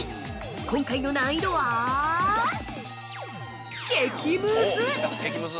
今回の難易度は、激ムズ。